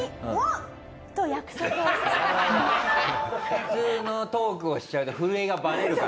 普通のトークをしちゃうと震えがバレるからね。